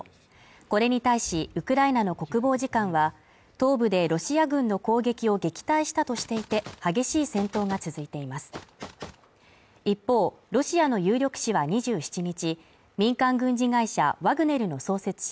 これに対しウクライナの国防次官は東部でロシア軍の攻撃を撃退したとしていて激しい戦闘が続いています一方、ロシアの有力紙は２７日民間軍事会社ワグネルの創設者